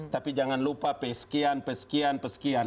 tapi jangan lupa pesekian pesekian pesekian